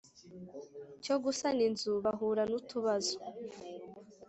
cyo gusana inzu bahura n’utubazo